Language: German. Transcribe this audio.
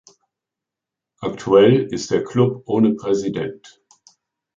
Aktuell ist der Club ohne Präsident.